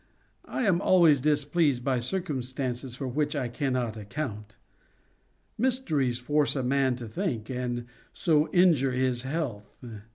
I am always displeased by circumstances for which I cannot account. Mysteries force a man to think, and so injure his health.